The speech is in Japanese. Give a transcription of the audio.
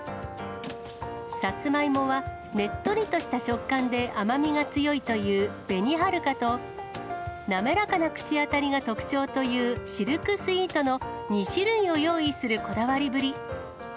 さつまいもは、ねっとりとした食感で甘みが強いという紅はるかと、滑らかな口当たりが特徴というシルクスイートの２種類を用意するこだわりぶり。